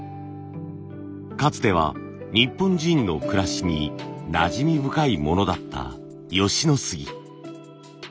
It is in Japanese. かつては日本人の暮らしになじみ深いものだった吉野杉。